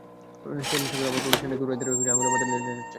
সে নেশার ঘোরে আমাকে বলে, সে নাকি কুরাইশদেরকে আঙ্গুলের মাথায় নিয়ে নাচাচ্ছে।